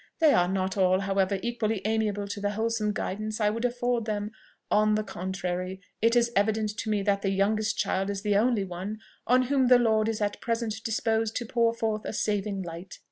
They are not all, however, equally amiable to the wholesome guidance I would afford them: on the contrary, it is evident to me that the youngest child is the only one on whom the Lord is at present disposed to pour forth a saving light.